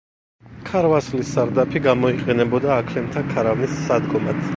ქარვასლის სარდაფი გამოიყენებოდა აქლემთა ქარავნის სადგომად.